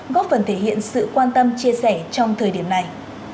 góp phần thể hiện sự quan tâm chia sẻ trong thời điểm này